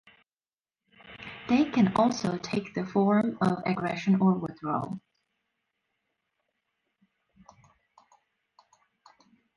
They can also take the form of aggression or withdrawal.